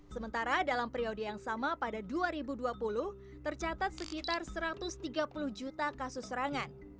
sementara dalam periode yang sama pada dua ribu dua puluh tercatat sekitar satu ratus tiga puluh juta kasus serangan